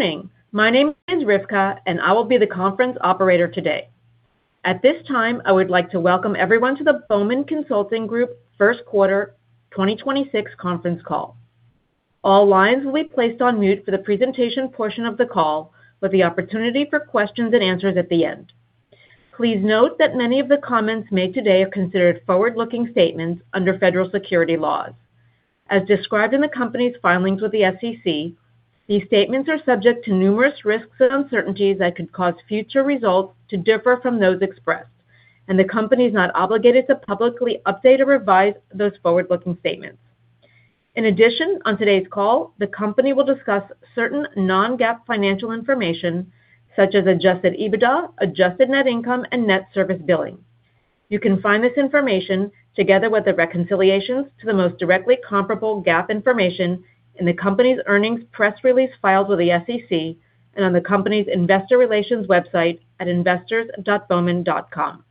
Good morning. My name is Rivka, and I will be the conference operator today. At this time, I would like to welcome everyone to the Bowman Consulting Group first quarter 2026 conference call. All lines will be placed on mute for the presentation portion of the call, with the opportunity for questions and answers at the end. Please note that many of the comments made today are considered forward-looking statements under federal security laws. As described in the company's filings with the SEC, these statements are subject to numerous risks and uncertainties that could cause future results to differ from those expressed, and the company is not obligated to publicly update or revise those forward-looking statements. In addition, on today's call, the company will discuss certain non-GAAP financial information such as adjusted EBITDA, adjusted net income, and net service billing. You can find this information together with the reconciliations to the most directly comparable GAAP information in the company's earnings press release filed with the SEC and on the company's investor relations website at investors.bowman.com.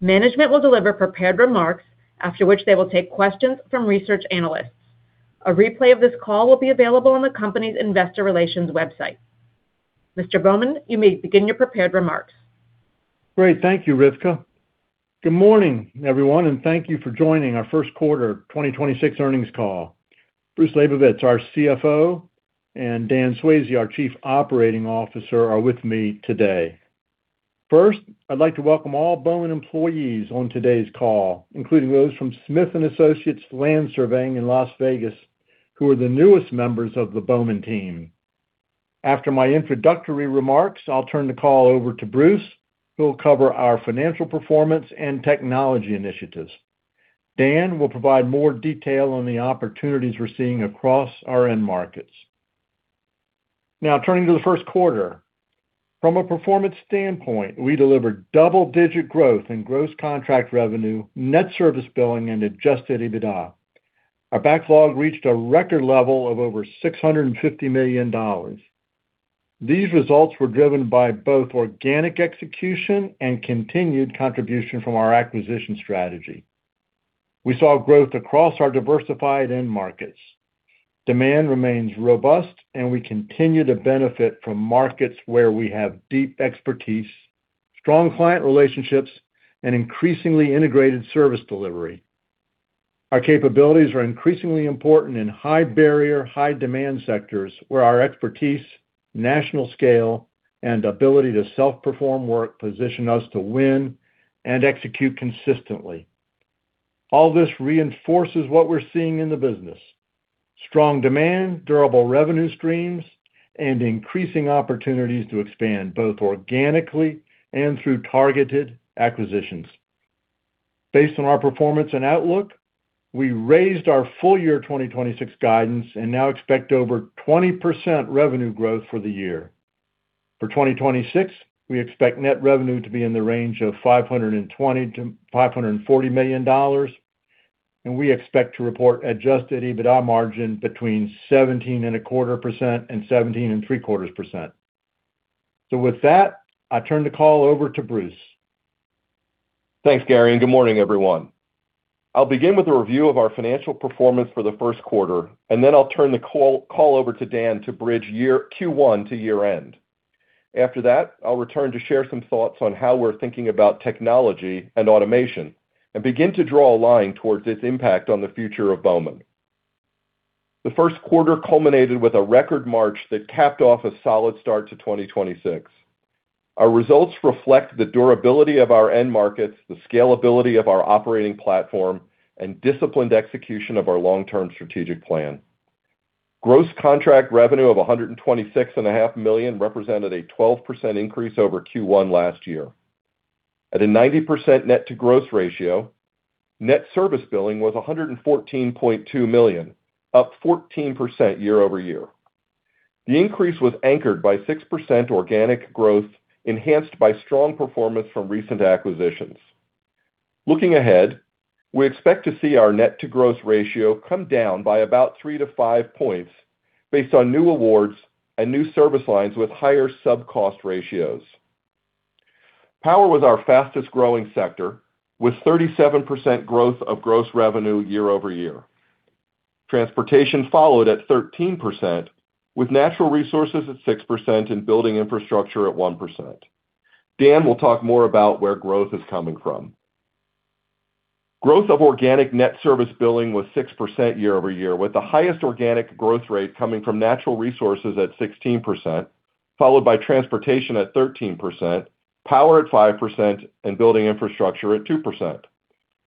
Management will deliver prepared remarks, after which they will take questions from research analysts. A replay of this call will be available on the company's investor relations website. Mr. Bowman, you may begin your prepared remarks. Great. Thank you, Rivka. Good morning, everyone, and thank you for joining our first quarter 2026 earnings call. Bruce Labovitz, our CFO, and Dan Swayze, our Chief Operating Officer, are with me today. First, I'd like to welcome all Bowman employees on today's call, including those from Smith and Associates Land Surveying in Las Vegas, who are the newest members of the Bowman team. After my introductory remarks, I'll turn the call over to Bruce, who will cover our financial performance and technology initiatives. Dan will provide more detail on the opportunities we're seeing across our end markets. Turning to the first quarter. From a performance standpoint, we delivered double-digit growth in gross contract revenue, net service billing, and adjusted EBITDA. Our backlog reached a record level of over $650 million. These results were driven by both organic execution and continued contribution from our acquisition strategy. We saw growth across our diversified end markets. Demand remains robust, and we continue to benefit from markets where we have deep expertise, strong client relationships, and increasingly integrated service delivery. Our capabilities are increasingly important in high-barrier, high-demand sectors where our expertise, national scale, and ability to self-perform work position us to win and execute consistently. All this reinforces what we're seeing in the business: strong demand, durable revenue streams, and increasing opportunities to expand both organically and through targeted acquisitions. Based on our performance and outlook, we raised our full year 2026 guidance and now expect over 20% revenue growth for the year. For 2026, we expect net revenue to be in the range of $520 million to $540 million, and we expect to report adjusted EBITDA margin between 17.25% and 17.75%. With that, I turn the call over to Bruce. Thanks, Gary. Good morning, everyone. I'll begin with a review of our financial performance for the first quarter. Then I'll turn the call over to Dan to bridge Q1 to year-end. After that, I'll return to share some thoughts on how we're thinking about technology and automation and begin to draw a line towards its impact on the future of Bowman. The first quarter culminated with a record March that capped off a solid start to 2026. Our results reflect the durability of our end markets, the scalability of our operating platform, and disciplined execution of our long-term strategic plan. Gross contract revenue of $126,500,000 represented a 12% increase over Q1 last year. At a 90% net-to-gross ratio, net service billing was $114.2 million, up 14% year-over-year. The increase was anchored by 6% organic growth, enhanced by strong performance from recent acquisitions. Looking ahead, we expect to see our net-to-gross ratio come down by about 3-5 points based on new awards and new service lines with higher subcost ratios. Power was our fastest-growing sector, with 37% growth of gross revenue year-over-year. Transportation followed at 13%, with natural resources at 6% and building infrastructure at 1%. Dan will talk more about where growth is coming from. Growth of organic net service billing was 6% year-over-year, with the highest organic growth rate coming from natural resources at 16%, followed by transportation at 13%, power at 5%, and building infrastructure at 2%.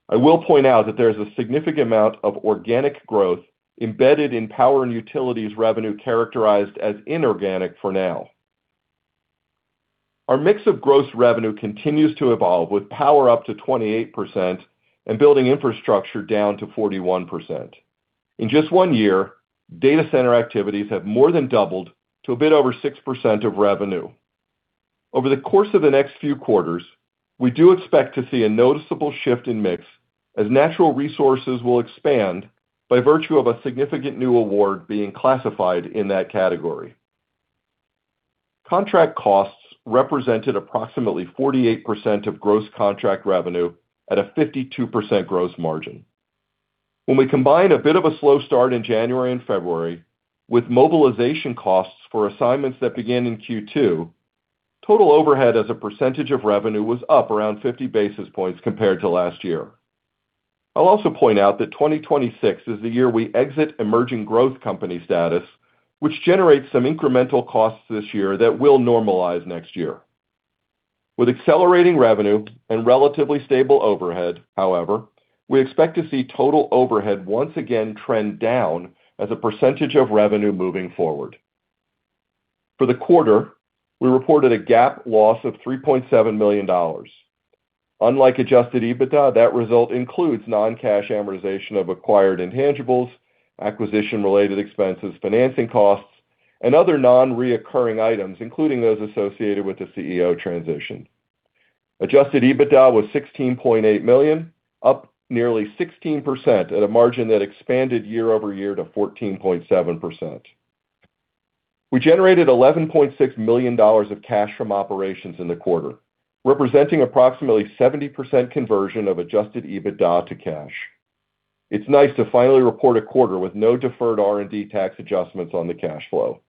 I will point out that there is a significant amount of organic growth embedded in power and utilities revenue characterized as inorganic for now. Our mix of gross revenue continues to evolve, with power up to 28% and building infrastructure down to 41%. In just one year, data centers activities have more than doubled to a bit over 6% of revenue. Over the course of the next few quarters, we do expect to see a noticeable shift in mix as natural resources will expand by virtue of a significant new award being classified in that category. Contract costs represented approximately 48% of gross contract revenue at a 52% gross margin. When we combine a bit of a slow start in January and February with mobilization costs for assignments that began in Q2, total overhead as a percentage of revenue was up around 50 basis points compared to last year. I'll also point out that 2026 is the year we exit emerging growth company status, which generates some incremental costs this year that will normalize next year. With accelerating revenue and relatively stable overhead, however, we expect to see total overhead once again trend down as a percentage of revenue moving forward. For the quarter, we reported a GAAP loss of $3.7 million. Unlike adjusted EBITDA, that result includes non-cash amortization of acquired intangibles, acquisition-related expenses, financing costs, and other non-reoccurring items, including those associated with transition. Adjusted EBITDA was $16.8 million, up nearly 16% at a margin that expanded year-over-year to 14.7%. We generated $11.6 million of cash from operations in the quarter, representing approximately 70% conversion of adjusted EBITDA to cash. It's nice to finally report a quarter with no deferred R&D tax adjustments on the cash flow.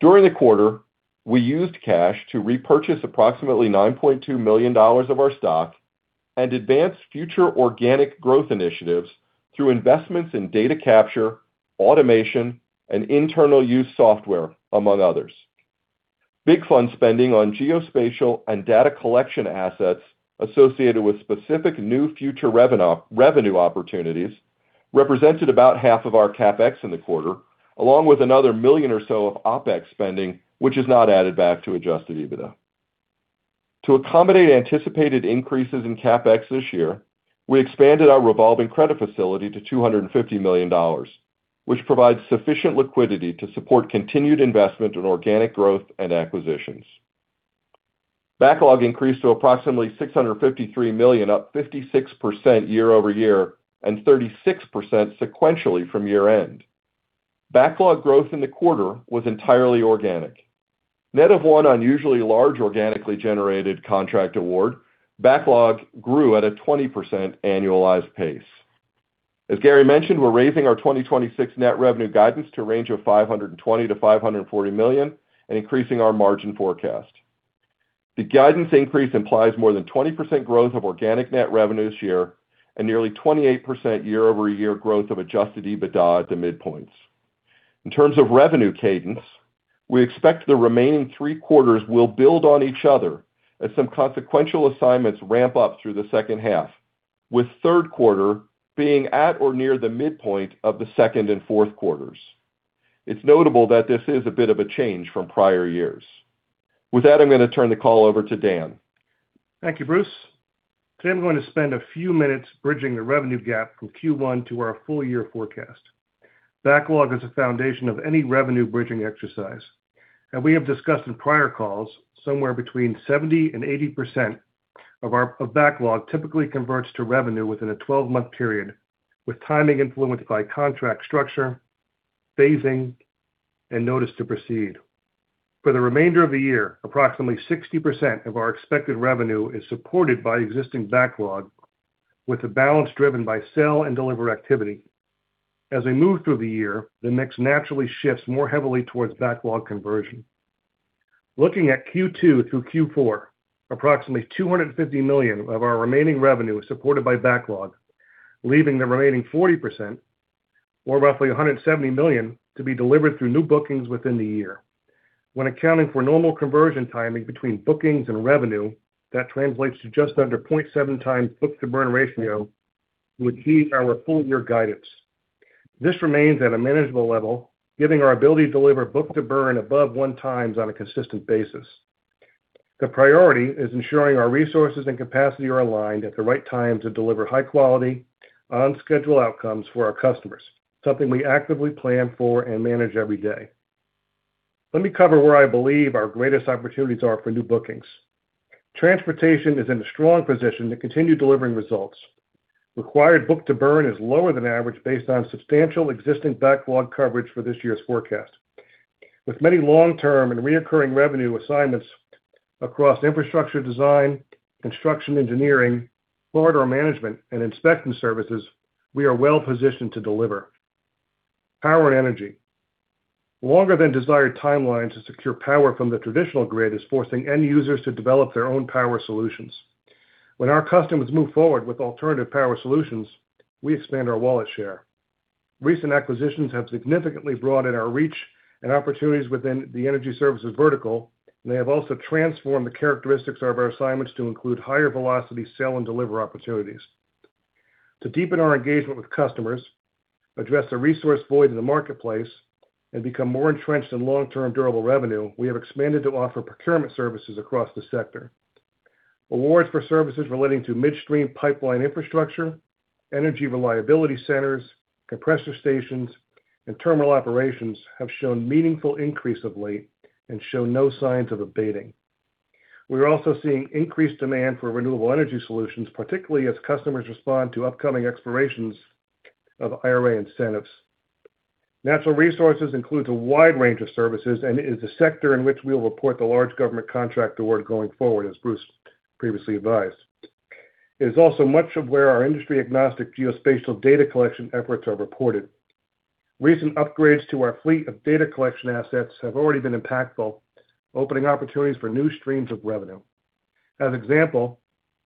During the quarter, we used cash to repurchase approximately $9.2 million of our stock and advance future organic growth initiatives through investments in data capture, automation, and internal use software, among others. Big fund spending on geospatial and data collection assets associated with specific new future revenue opportunities represented about half of our CapEx in the quarter, along with another million or so of OpEx spending, which is not added back to adjusted EBITDA. To accommodate anticipated increases in CapEx this year, we expanded our revolving credit facility to $250 million, which provides sufficient liquidity to support continued investment in organic growth and acquisitions. Backlog increased to approximately $653 million, up 56% year-over-year and 36% sequentially from year-end. Backlog growth in the quarter was entirely organic. Net of one unusually large organically-generated contract award, backlog grew at a 20% annualized pace. As Gary mentioned, we're raising our 2026 net revenue guidance to a range of $520 million-$540 million and increasing our margin forecast. The guidance increase implies more than 20% growth of organic net revenue this year and nearly 28% year-over-year growth of adjusted EBITDA at the midpoints. In terms of revenue cadence, we expect the remaining three quarters will build on each other as some consequential assignments ramp up through the second half, with third quarter being at or near the midpoint of the second and fourth quarters. It's notable that this is a bit of a change from prior years. With that, I'm gonna turn the call over to Dan. Thank you, Bruce. Today, I'm going to spend a few minutes bridging the revenue gap from Q1 to our full year forecast. Backlog is a foundation of any revenue bridging exercise. We have discussed in prior calls somewhere between 70% and 80% of backlog typically converts to revenue within a 12-month period, with timing influenced by contract structure, phasing, and notice to proceed. For the remainder of the year, approximately 60% of our expected revenue is supported by existing backlog, with the balance driven by sell and deliver activity. As we move through the year, the mix naturally shifts more heavily towards backlog conversion. Looking at Q2 through Q4, approximately $250 million of our remaining revenue is supported by backlog, leaving the remaining 40%, or roughly $170 million, to be delivered through new bookings within the year. When accounting for normal conversion timing between bookings and revenue, that translates to just under 0.7x book-to-burn ratio, which is our full-year guidance. This remains at a manageable level, giving our ability to deliver book-to-burn above 1x on a consistent basis. The priority is ensuring our resources and capacity are aligned at the right time to deliver high-quality, on-schedule outcomes for our customers, something we actively plan for and manage every day. Let me cover where I believe our greatest opportunities are for new bookings. Transportation is in a strong position to continue delivering results. Required book-to-burn is lower than average based on substantial existing backlog coverage for this year's forecast. With many long-term and recurring revenue assignments across infrastructure design, construction engineering, corridor management, and inspection services, we are well-positioned to deliver. Power and energy. Longer than desired timelines to secure power from the traditional grid is forcing end users to develop their own power solutions. When our customers move forward with alternative power solutions, we expand our wallet share. Recent acquisitions have significantly broadened our reach and opportunities within the energy services vertical. They have also transformed the characteristics of our assignments to include higher velocity sell and deliver opportunities. To deepen our engagement with customers, address the resource void in the marketplace, and become more entrenched in long-term durable revenue, we have expanded to offer procurement services across the sector. Awards for services relating to midstream pipeline infrastructure, energy reliability centers, compressor stations, and terminal operations have shown meaningful increase of late and show no signs of abating. We're also seeing increased demand for renewable energy solutions, particularly as customers respond to upcoming expirations of IRA incentives. Natural resources includes a wide range of services and is a sector in which we will report the large government contract award going forward, as Bruce previously advised. It is also much of where our industry-agnostic geospatial data collection efforts are reported. Recent upgrades to our fleet of data collection assets have already been impactful, opening opportunities for new streams of revenue. As example,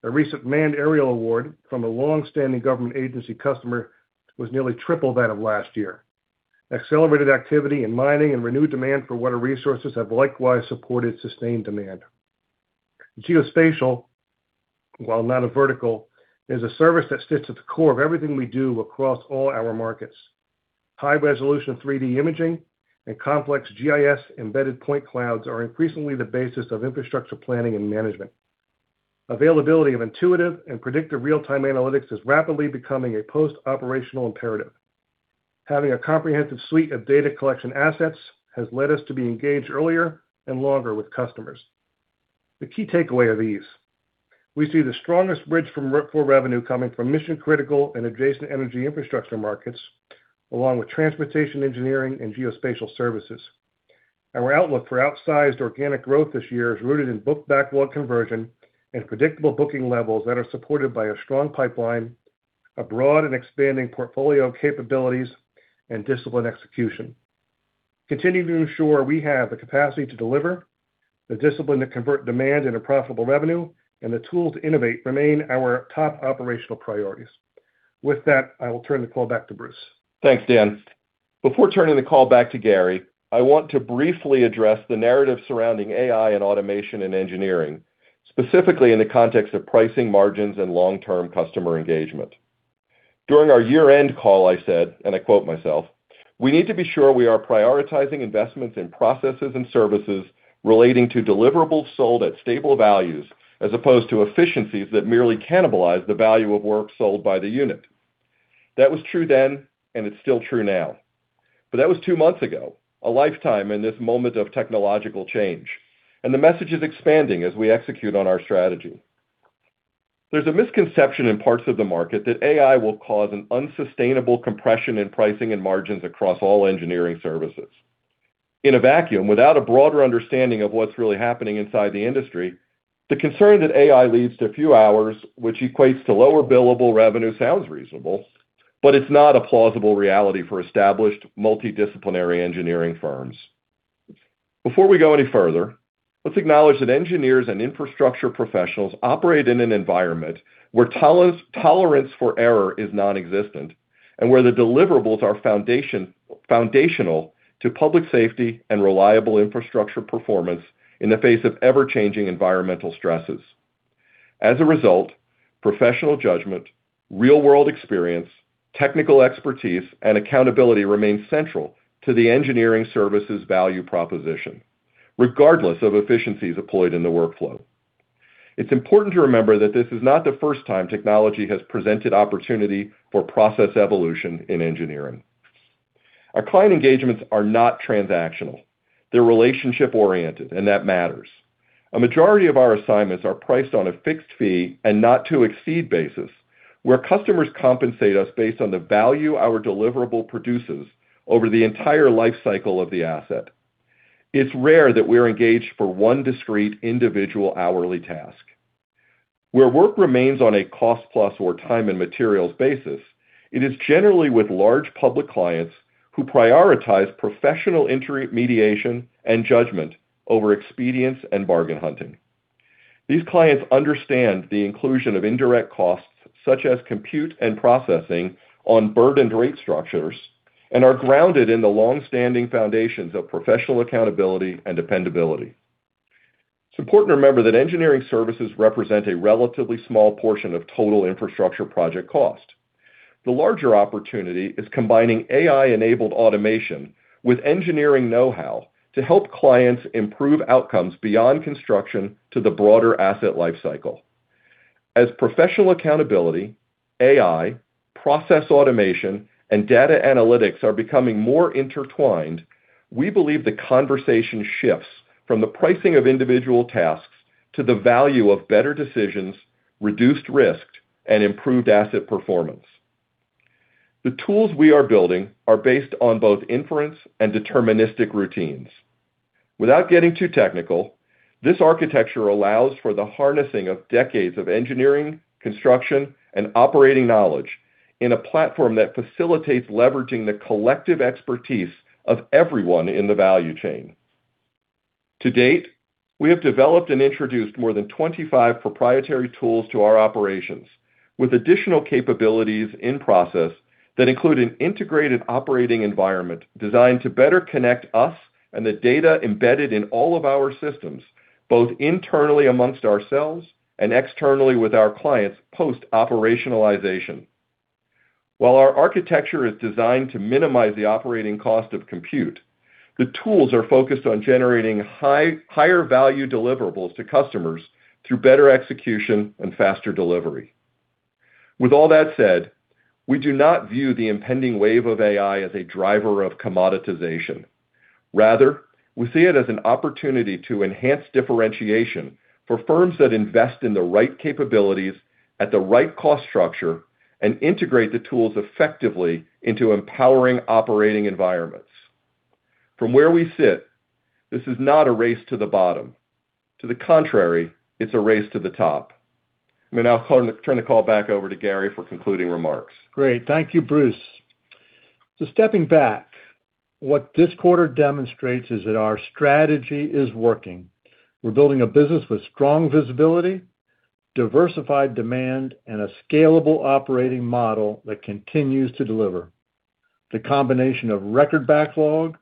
a recent manned aerial award from a long-standing government agency customer was nearly triple that of last year. Accelerated activity in mining and renewed demand for water resources have likewise supported sustained demand. Geospatial, while not a vertical, is a service that sits at the core of everything we do across all our markets. High-resolution 3D imaging and complex GIS-embedded point clouds are increasingly the basis of infrastructure planning and management. Availability of intuitive and predictive real-time analytics is rapidly becoming a post-operational imperative. Having a comprehensive suite of data collection assets has led us to be engaged earlier and longer with customers. The key takeaway are these. We see the strongest bridge for revenue coming from mission-critical and adjacent energy infrastructure markets, along with transportation engineering and geospatial services. Our outlook for outsized organic growth this year is rooted in book backlog conversion and predictable booking levels that are supported by a strong pipeline, a broad and expanding portfolio of capabilities, and disciplined execution. Continuing to ensure we have the capacity to deliver, the discipline to convert demand into profitable revenue, and the tools to innovate remain our top operational priorities. With that, I will turn the call back to Bruce. Thanks, Dan. Before turning the call back to Gary, I want to briefly address the narrative surrounding AI and automation in engineering, specifically in the context of pricing margins and long-term customer engagement. During our year-end call, I said, and I quote myself, we need to be sure we are prioritizing investments in processes and services relating to deliverables sold at stable values as opposed to efficiencies that merely cannibalize the value of work sold by the unit. That was true then, and it's still true now. That was two months ago, a lifetime in this moment of technological change, and the message is expanding as we execute on our strategy. There's a misconception in parts of the market that AI will cause an unsustainable compression in pricing and margins across all engineering services. In a vacuum, without a broader understanding of what's really happening inside the industry, the concern that AI leads to few hours, which equates to lower billable revenue sounds reasonable, but it's not a plausible reality for established multidisciplinary engineering firms. Before we go any further, let's acknowledge that engineers and infrastructure professionals operate in an environment where tolerance for error is non-existent, and where the deliverables are foundational to public safety and reliable infrastructure performance in the face of ever-changing environmental stresses. As a result, professional judgment, real-world experience, technical expertise, and accountability remain central to the engineering services value proposition, regardless of efficiencies employed in the workflow. It's important to remember that this is not the first time technology has presented opportunity for process evolution in engineering. Our client engagements are not transactional. They're relationship-oriented. That matters. A majority of our assignments are priced on a fixed fee and not to exceed basis, where customers compensate us based on the value our deliverable produces over the entire life cycle of the asset. It's rare that we're engaged for one discrete individual hourly task. Where work remains on a cost plus or time and materials basis, it is generally with large public clients who prioritize professional inter-mediation and judgment over expedience and bargain hunting. These clients understand the inclusion of indirect costs, such as compute and processing on burdened rate structures, and are grounded in the long-standing foundations of professional accountability and dependability. It's important to remember that engineering services represent a relatively small portion of total infrastructure project cost. The larger opportunity is combining AI-enabled automation with engineering know-how to help clients improve outcomes beyond construction to the broader asset life cycle. As professional accountability, AI, process automation, and data analytics are becoming more intertwined, we believe the conversation shifts from the pricing of individual tasks to the value of better decisions, reduced risk, and improved asset performance. The tools we are building are based on both inference and deterministic routines. Without getting too technical, this architecture allows for the harnessing of decades of engineering, construction, and operating knowledge in a platform that facilitates leveraging the collective expertise of everyone in the value chain. To date, we have developed and introduced more than 25 proprietary tools to our operations, with additional capabilities in process that include an integrated operating environment designed to better connect us and the data embedded in all of our systems, both internally amongst ourselves and externally with our clients post-operationalization. While our architecture is designed to minimize the operating cost of compute, the tools are focused on generating higher value deliverables to customers through better execution and faster delivery. With all that said, we do not view the impending wave of AI as a driver of commoditization. Rather, we see it as an opportunity to enhance differentiation for firms that invest in the right capabilities at the right cost structure and integrate the tools effectively into empowering operating environments. From where we sit, this is not a race to the bottom. To the contrary, it's a race to the top. I'm going to now turn the call back over to Gary for concluding remarks. Great. Thank you, Bruce. Stepping back, what this quarter demonstrates is that our strategy is working. We're building a business with strong visibility, diversified demand, and a scalable operating model that continues to deliver. The combination of record backlog,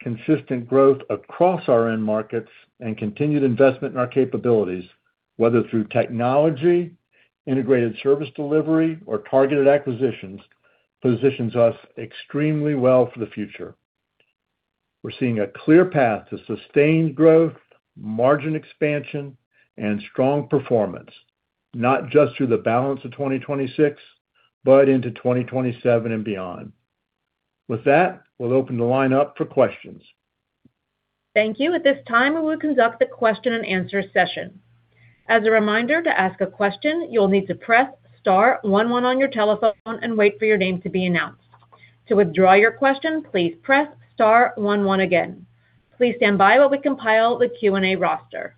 consistent growth across our end markets, and continued investment in our capabilities, whether through technology, integrated service delivery, or targeted acquisitions, positions us extremely well for the future. We're seeing a clear path to sustained growth, margin expansion, and strong performance, not just through the balance of 2026, but into 2027 and beyond. With that, we'll open the line up for questions. Thank you. At this time, we will conduct the question-and-answer session. As a reminder, to ask a question, you'll need to press star one on your telephone and wait for your name to be announced. To withdraw your question, please press star one again. Please stand by while we compile the Q&A roster.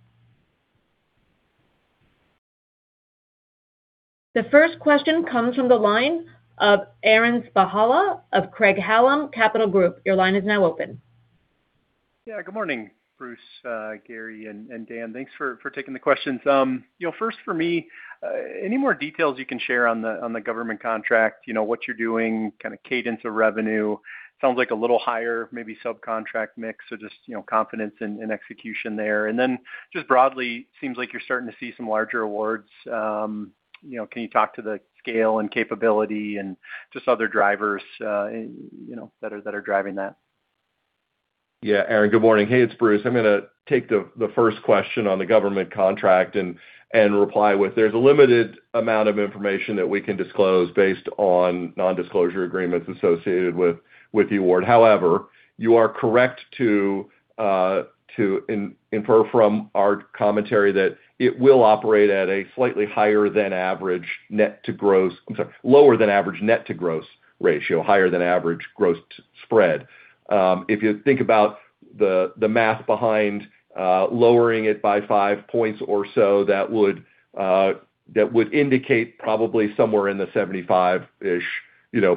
The first question comes from the line of Aaron Spychalla of Craig-Hallum Capital Group. Your line is now open. Yeah, good morning, Bruce, Gary, and Dan. Thanks for taking the questions. You know, first for me, any more details you can share on the government contract? You know, what you're doing, kinda cadence of revenue. Sounds like a little higher, maybe subcontract mix or just, you know, confidence in execution there. Then just broadly, seems like you're starting to see some larger awards. You know, can you talk to the scale and capability and just other drivers, you know, that are driving that? Yeah, Aaron, good morning. Hey, it's Bruce. I'm gonna take the first question on the government contract and reply with there's a limited amount of information that we can disclose based on non-disclosure agreements associated with the award. However, you are correct to infer from our commentary that it will operate at a slightly higher than average net-to-gross-- I'm sorry, lower than average net-to-gross ratio, higher than average gross spread. If you think about the math behind lowering it by five points or so, that would indicate probably somewhere in the 75%-ish, you know,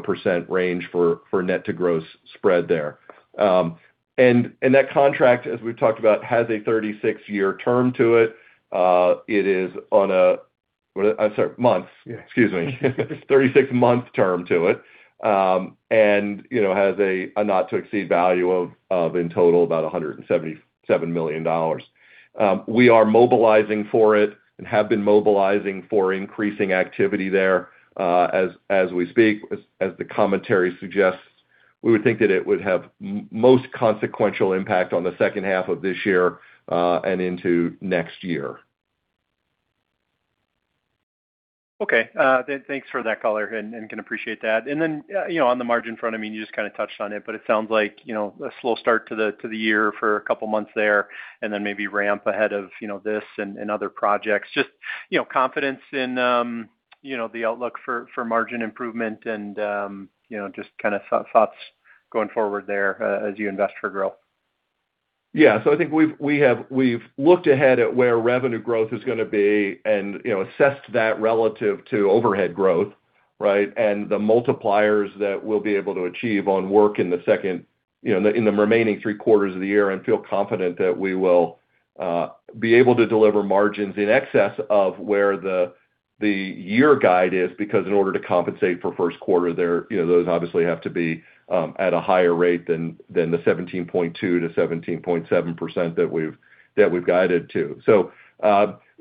range for net-to-gross spread there. That contract, as we've talked about, has a 36-year term to it. It is on a-- What is it? I'm sorry, months. Yeah. Excuse me. 36-month term to it. You know, has a not to exceed value of in total about $177 million. We are mobilizing for it and have been mobilizing for increasing activity there, as we speak. As the commentary suggests, we would think that it would have most consequential impact on the second half of this year, and into next year. Okay. Thanks for that color and can appreciate that. You know, on the margin front, I mean, you just kinda touched on it sounds like, you know, a slow start to the year for a couple months there and then maybe ramp ahead of, you know, this and other projects. Just, you know, confidence in, you know, the outlook for margin improvement and, you know, just kinda thoughts going forward there as you invest for growth. Yeah. I think we've looked ahead at where revenue growth is gonna be and, you know, assessed that relative to overhead growth, right? The multipliers that we'll be able to achieve on work in the second, you know, in the remaining three quarters of the year and feel confident that we will be able to deliver margins in excess of where the year guide is. In order to compensate for first quarter there, you know, those obviously have to be at a higher rate than the 17.2%-17.7% that we've guided to.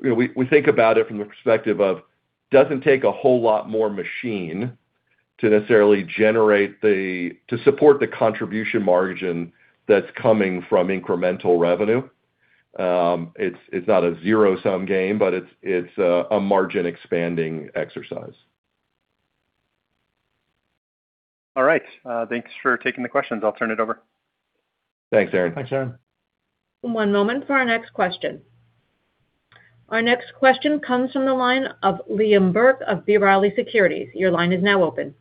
You know, we think about it from the perspective of doesn't take a whole lot more machine to necessarily generate to support the contribution margin that's coming from incremental revenue. It's not a zero-sum game, but it's a margin expanding exercise. All right. Thanks for taking the questions. I'll turn it over. Thanks, Aaron. Thanks, Aaron. One moment for our next question. Our next question comes from the line of Liam Burke of B. Riley Securities. Your line is now open.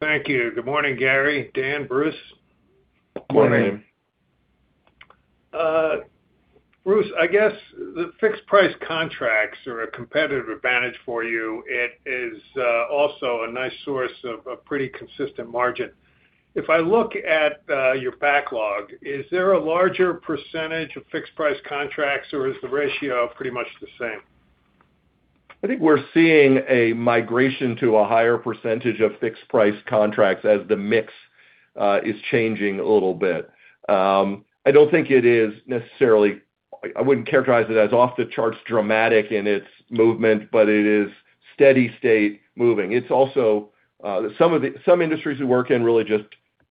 Thank you. Good morning, Gary, Dan, Bruce. Good morning. Morning. Bruce, I guess the fixed price contracts are a competitive advantage for you. It is also a nice source of a pretty consistent margin. If I look at your backlog, is there a larger percentage of fixed price contracts, or is the ratio pretty much the same? I think we're seeing a migration to a higher percentage of fixed price contracts as the mix is changing a little bit. I wouldn't characterize it as off the charts dramatic in its movement, but it is steady state moving. It's also some industries we work in really just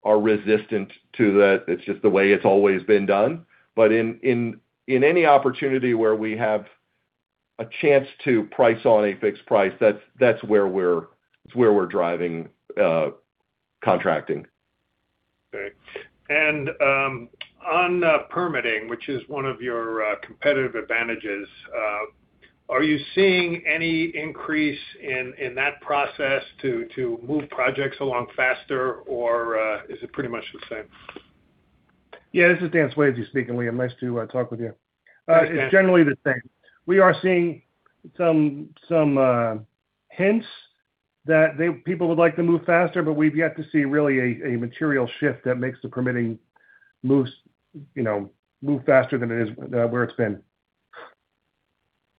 are resistant to that. It's just the way it's always been done. In any opportunity where we have a chance to price on a fixed price, that's where we're driving contracting. Great. On permitting, which is one of your competitive advantages, are you seeing any increase in that process to move projects along faster or is it pretty much the same? Yeah, this is Dan Swayze speaking, Liam. Nice to talk with you. Thanks, Dan. It's generally the same. We are seeing some hints that people would like to move faster, but we've yet to see really a material shift that makes the permitting loose, you know, move faster than it is, where it's been.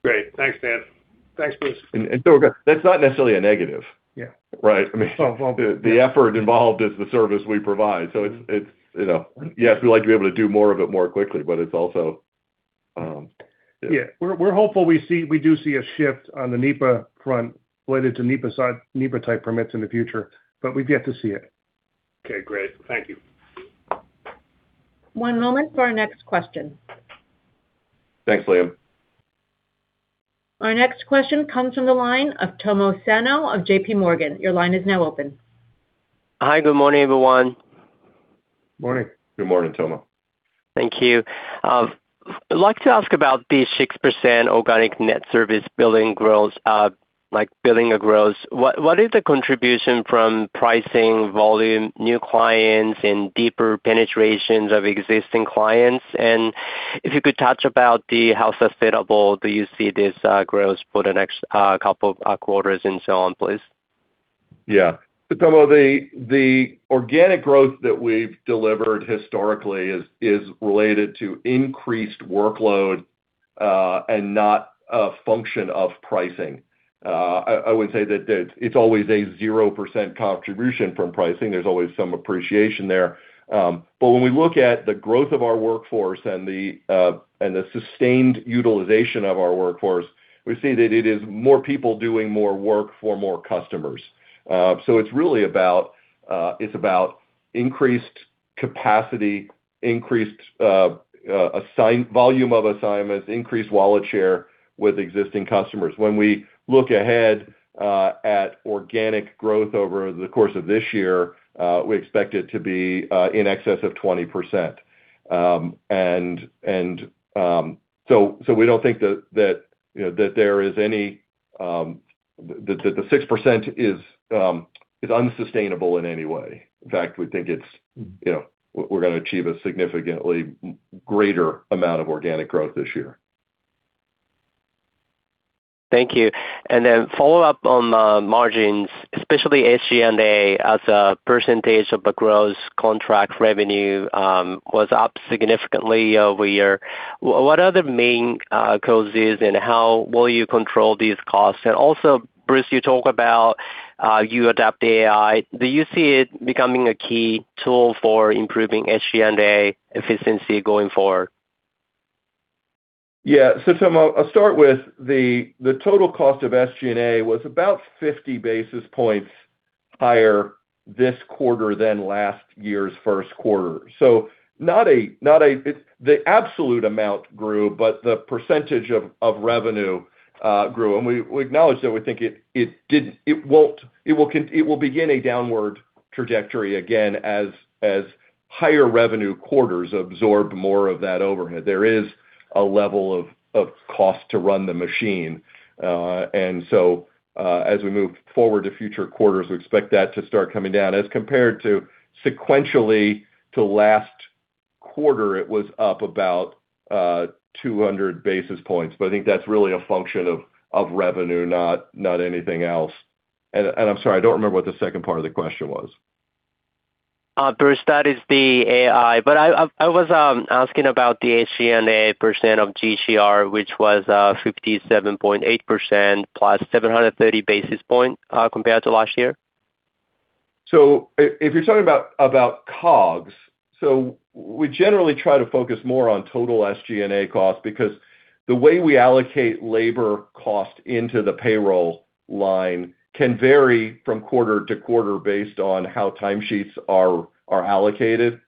Great. Thanks, Dan. Thanks, Bruce. Again, that's not necessarily a negative. Yeah. Right? I mean. Well. The effort involved is the service we provide, so it's, you know, yes, we'd like to be able to do more of it more quickly, but it's also yeah. Yeah. We're hopeful we do see a shift on the NEPA front related to NEPA-type permits in the future, but we've yet to see it. Okay, great. Thank you. One moment for our next question. Thanks, Liam. Our next question comes from the line of Tomo Sano of JPMorgan. Your line is now open. Hi. Good morning, everyone. Morning. Good morning, Tomo. Thank you. I'd like to ask about the 6% organic net service billing growth. What is the contribution from pricing, volume, new clients, and deeper penetrations of existing clients? If you could touch about the how sustainable do you see this growth for the next couple quarters and so on, please. Yeah. Tomo, the organic growth that we've delivered historically is related to increased workload and not a function of pricing. I would say that it's always a 0% contribution from pricing. There's always some appreciation there. But when we look at the growth of our workforce and the sustained utilization of our workforce, we see that it is more people doing more work for more customers. It's really about increased capacity, increased volume of assignments, increased wallet share with existing customers. When we look ahead at organic growth over the course of this year, we expect it to be in excess of 20%. We don't think that the 6% is unsustainable in any way. In fact, we think it's, you know, we're gonna achieve a significantly greater amount of organic growth this year. Thank you. Follow up on the margins, especially SG&A as a percentage of the gross contract revenue, was up significantly year-over-year. What are the main causes and how will you control these costs? Also, Bruce, you talked about adopting AI. Do you see it becoming a key tool for improving SG&A efficiency going forward? Yeah. Tomo, I'll start with the total cost of SG&A was about 50 basis points higher this quarter than last year's first quarter. The absolute amount grew, but the percentage of revenue grew. We acknowledge that we think it will begin a downward trajectory again as higher revenue quarters absorb more of that overhead. There is a level of cost to run the machine. As we move forward to future quarters, we expect that to start coming down. As compared to sequentially to last quarter, it was up about 200 basis points. I think that's really a function of revenue, not anything else. I'm sorry, I don't remember what the second part of the question was. Bruce, that is the AI. I was asking about the SG&A percent of GCR, which was 57.8% plus 730 basis points compared to last year. If you're talking about COGS, we generally try to focus more on total SG&A costs because the way we allocate labor cost into the payroll line can vary from quarter to quarter based on how timesheets are allocated.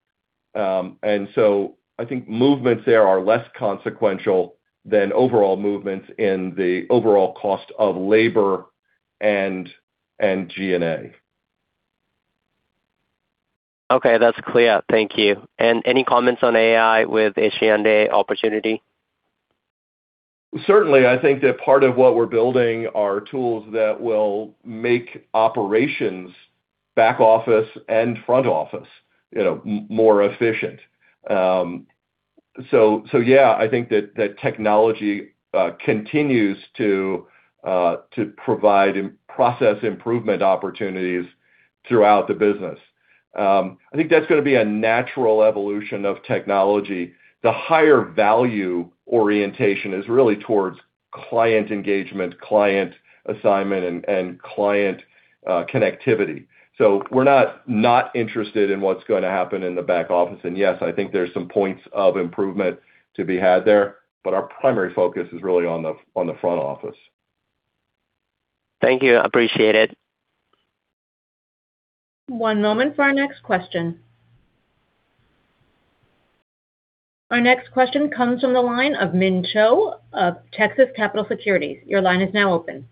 I think movements there are less consequential than overall movements in the overall cost of labor and G&A. Okay, that's clear. Thank you. Any comments on AI with SG&A opportunity? Certainly, I think that part of what we're building are tools that will make operations back office and front office, you know, more efficient. So yeah, I think that technology continues to provide process improvement opportunities throughout the business. I think that's gonna be a natural evolution of technology. The higher value orientation is really towards client engagement, client assignment, and client connectivity. We're not interested in what's gonna happen in the back office. Yes, I think there's some points of improvement to be had there, but our primary focus is really on the front office. Thank you. Appreciate it. One moment for our next question. Our next question comes from the line of Min Cho of Texas Capital Securities. Your line is now open.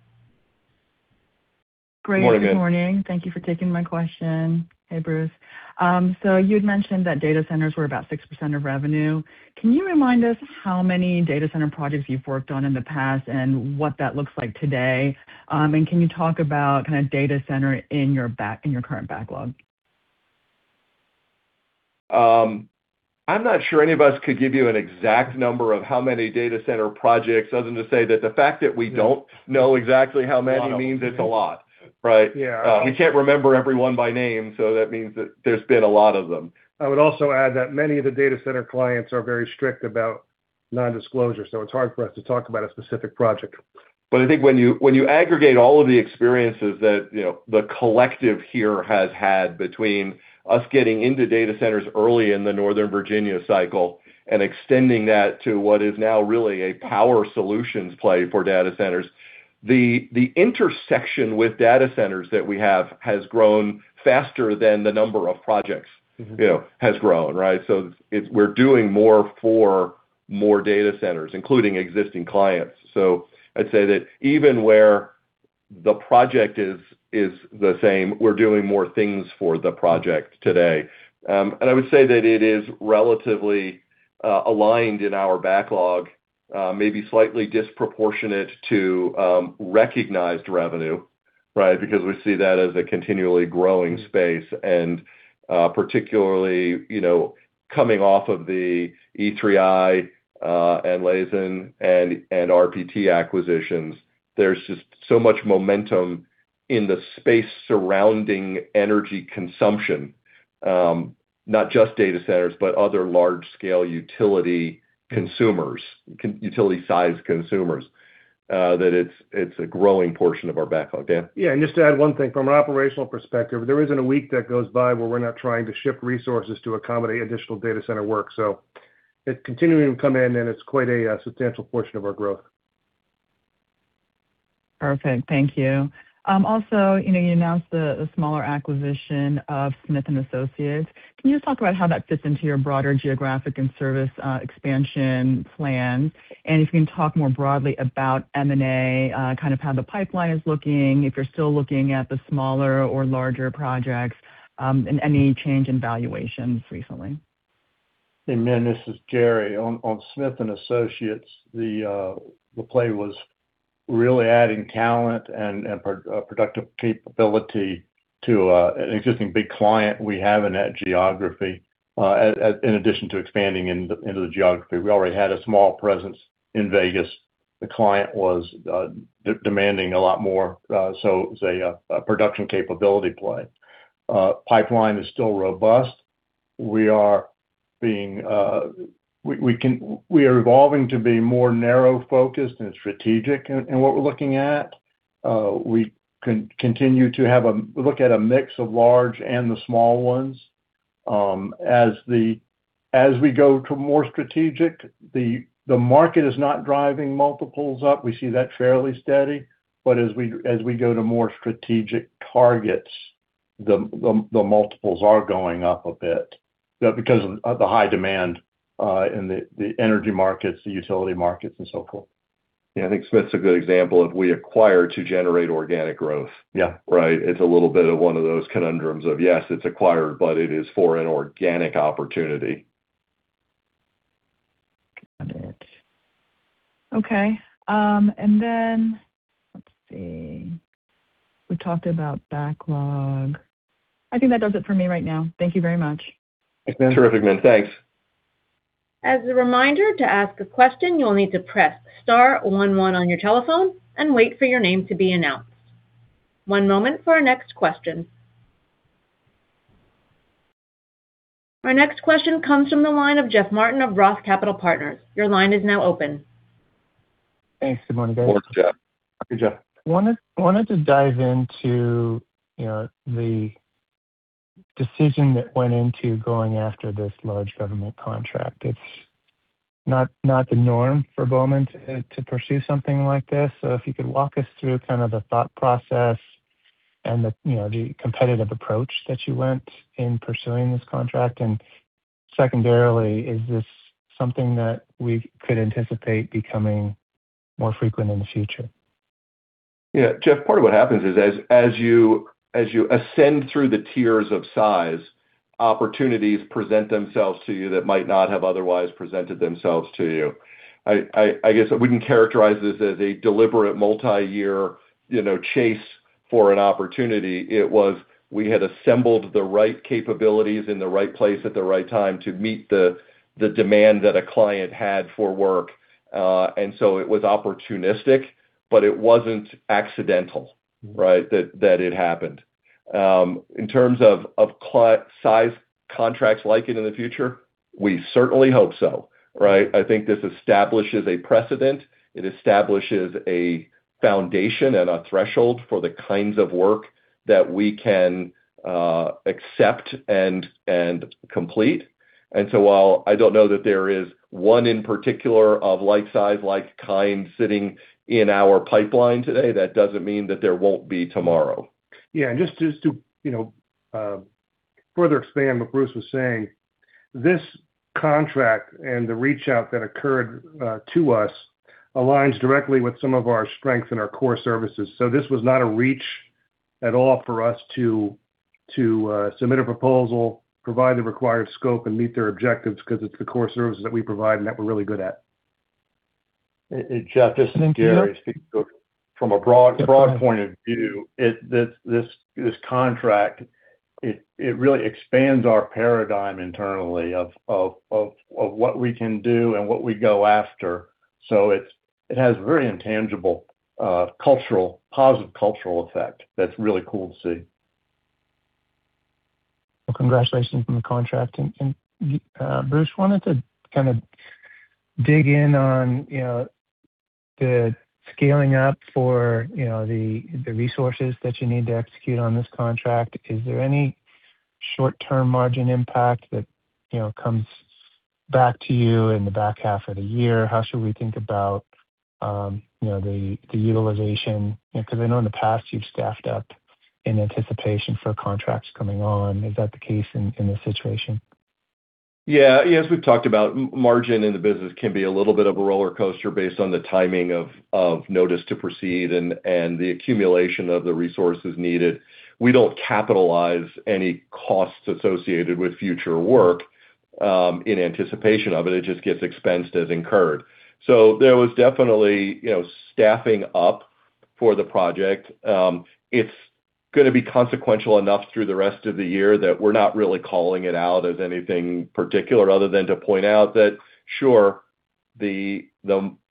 Great. Good morning. Good morning, Min. Thank you for taking my question. Hey, Bruce. You'd mentioned that data centers were about 6% of revenue. Can you remind us how many data center projects you've worked on in the past and what that looks like today? Can you talk about kinda data center in your current backlog? I'm not sure any of us could give you an exact number of how many data center projects. Other than to say that the fact that we don't know exactly how many means it's a lot, right? Yeah. We can't remember every one by name. That means that there's been a lot of them. I would also add that many of the data center clients are very strict about non-disclosure, so it's hard for us to talk about a specific project. I think when you aggregate all of the experiences that, you know, the collective here has had between us getting into data centers early in the Northern Virginia cycle and extending that to what is now really a power solutions play for data centers, the intersection with data centers that we have has grown faster than the number of projects, you know, has grown, right? We're doing more for more data centers, including existing clients. I'd say that even where the project is the same, we're doing more things for the project today. I would say that it is relatively aligned in our backlog, maybe slightly disproportionate to recognized revenue, right? Because we see that as a continually growing space. Particularly, you know, coming off of the e3i, and Lazen and RPT acquisitions, there's just so much momentum in the space surrounding energy consumption, not just data centers, but other large scale utility consumers, utility size consumers. That it's a growing portion of our backlog. Dan? Just to add one thing. From an operational perspective, there isn't a week that goes by where we're not trying to shift resources to accommodate additional data center work. It's continuing to come in, and it's quite a substantial portion of our growth. Perfect. Thank you. Also, you know, you announced the smaller acquisition of Smith & Associates. Can you just talk about how that fits into your broader geographic and service expansion plan? If you can talk more broadly about M&A, kind of how the pipeline is looking, if you're still looking at the smaller or larger projects, and any change in valuations recently. Hey, Min, this is Gary. On Smith & Associates, the play was really adding talent and productive capability to an existing big client we have in that geography. In addition to expanding into the geography. We already had a small presence in Vegas. The client was demanding a lot more, so it was a production capability play. Pipeline is still robust. We are evolving to be more narrow-focused and strategic in what we're looking at. We continue to have a look at a mix of large and the small ones. As the, as we go to more strategic, the market is not driving multiples up. We see that fairly steady. As we go to more strategic targets, the multiples are going up a bit because of the high demand in the energy markets, the utility markets and so forth. Yeah, I think Smith's a good example of we acquire to generate organic growth. Yeah. Right? It's a little bit of one of those conundrums of, yes, it's acquired, but it is for an organic opportunity. Got it. Okay. Let's see. We talked about backlog. I think that does it for me right now. Thank you very much. Thanks, Min. Terrific, Min. Thanks. As a reminder, to ask a question, you'll need to press star one one on your telephone and wait for your name to be announced. One moment for our next question. Our next question comes from the line of Jeff Martin of Roth Capital Partners. Your line is now open. Thanks. Good morning, guys. Morning, Jeff. Hey, Jeff. Wanted to dive into, you know, the decision that went into going after this large government contract. It's not the norm for Bowman to pursue something like this. If you could walk us through kind of the thought process and the, you know, the competitive approach that you went in pursuing this contract. Secondarily, is this something that we could anticipate becoming more frequent in the future? Yeah, Jeff, part of what happens is as you ascend through the tiers of size, opportunities present themselves to you that might not have otherwise presented themselves to you. I guess I wouldn't characterize this as a deliberate multi-year, you know, chase for an opportunity. It was, we had assembled the right capabilities in the right place at the right time to meet the demand that a client had for work. It was opportunistic, but it wasn't accidental, right? That it happened. In terms of size contracts like it in the future, we certainly hope so, right? I think this establishes a precedent. It establishes a foundation and a threshold for the kinds of work that we can accept and complete. While I don't know that there is one in particular of like size, like kind sitting in our pipeline today, that doesn't mean that there won't be tomorrow. Yeah, just to, you know, further expand what Bruce was saying, this contract and the reach-out that occurred to us aligns directly with some of our strengths and our core services. This was not a reach at all for us to submit a proposal, provide the required scope, and meet their objectives because it's the core services that we provide and that we're really good at. Hey, Jeff, this is Gary speaking. From a broad point of view, this contract, it really expands our paradigm internally of what we can do and what we go after. It has very intangible, cultural, positive cultural effect that's really cool to see. Well, congratulations on the contract. Bruce, wanted to kind of dig in on, you know, the scaling up for, you know, the resources that you need to execute on this contract. Is there any short-term margin impact that, you know, comes back to you in the back half of the year? How should we think about, you know, the utilization? You know, 'cause I know in the past you've staffed up in anticipation for contracts coming on. Is that the case in this situation? Yeah. As we've talked about, margin in the business can be a little bit of a rollercoaster based on the timing of notice to proceed and the accumulation of the resources needed. We don't capitalize any costs associated with future work in anticipation of it. It just gets expensed as incurred. There was definitely, you know, staffing up for the project. It's gonna be consequential enough through the rest of the year that we're not really calling it out as anything particular other than to point out that sure, the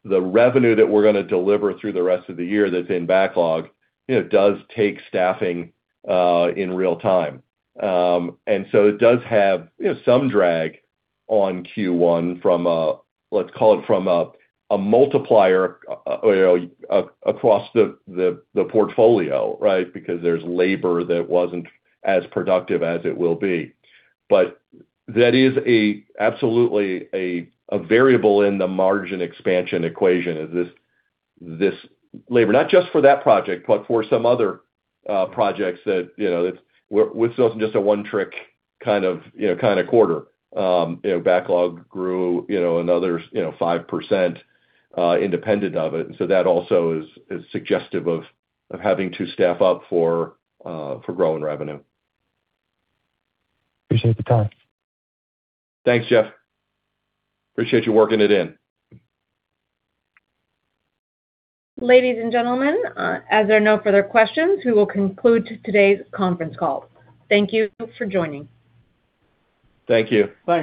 revenue that we're gonna deliver through the rest of the year that's in backlog, you know, does take staffing in real time. It does have, you know, some drag on Q1 from, let's call it from a multiplier, you know, across the portfolio, right? Because there's labor that wasn't as productive as it will be. That is a, absolutely a variable in the margin expansion equation is this labor. Not just for that project, but for some other projects that, you know, this wasn't just a one trick kind of, you know, kind of quarter. You know, backlog grew, you know, another, you know, 5%, independent of it. That also is suggestive of having to staff up for growing revenue. Appreciate the time. Thanks, Jeff. Appreciate you working it in. Ladies and gentlemen, as there are no further questions, we will conclude today's conference call. Thank you for joining. Thank you. Thanks.